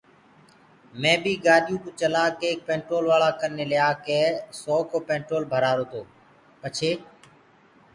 مي بي گآڏيو ڪوُ چلآڪي ايڪ پينٽولوآݪآ ڪني ليآڪي سو ڪو پينٽول ڀرآرو تو پڇي